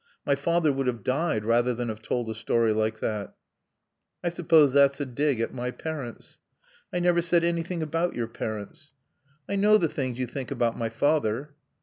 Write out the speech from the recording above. My father would have died rather than have told a story like that." "I suppose that's a dig at my parents." "I never said anything about your parents." "I know the things you think about my father."